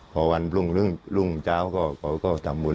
พอวันมึงรุ่งเจ้าก็ก็ก็ทำบุญ